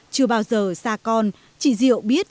chưa bao giờ xa con chị diệu biết